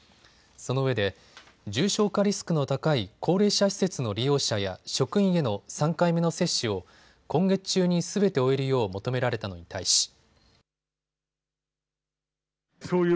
そのうえで重症化リスクの高い高齢者施設の利用者や職員への３回目の接種を今月中にすべて終えるよう求められたのに対し。